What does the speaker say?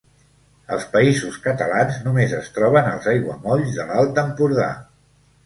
Als Països Catalans només es troba als aiguamolls de l'Alt Empordà.